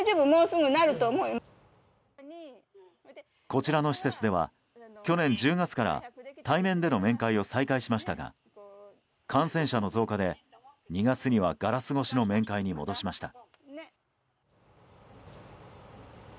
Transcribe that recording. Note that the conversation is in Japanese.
こちらの施設では去年１０月から対面での面会を再開しましたが感染者の増加で２月にはガラス越しの面会に戻しました。